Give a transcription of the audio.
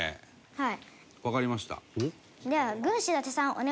はい。